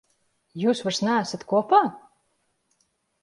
Jūs vairs neesat kopā?